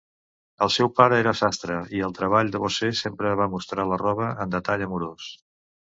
El seu pare era sastre, i el treball de Bosse sempre va mostra la roba en detall amorós.